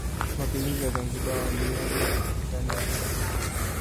Mapinduzi ya Zanzibar waliyomo ndani ya kitabu hiki